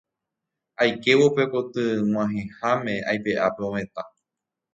Aikévo pe kotyg̃uahẽháme aipe'a pe ovetã.